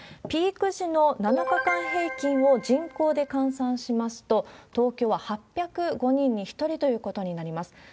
ピーク時の７日間平均を人口で換算しますと、東京は８０５人に１人ということになります。